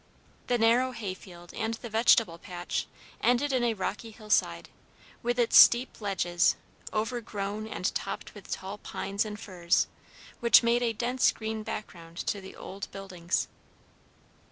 The narrow hay field and the vegetable patch ended in a rocky hillside, with its steep ledges, overgrown and topped with tall pines and firs, which made a dense green background to the old buildings.